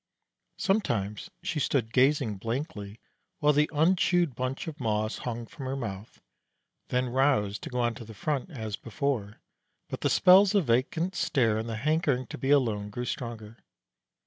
Sometimes she stood gazing blankly while the unchewed bunch of moss hung from her mouth, then roused to go on to the front as before; but the spells of vacant stare and the hankering to be alone grew stronger.